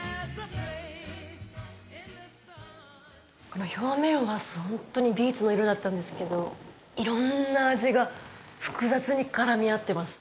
この表面はホントにビーツの色だったんですけど色んな味が複雑に絡み合ってます